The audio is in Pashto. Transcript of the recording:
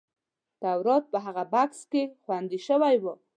تورات په هغه بکس کې خوندي شوی و.